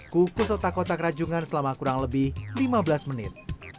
kukus otak otak rajungan selama kurang lebih lima belas menit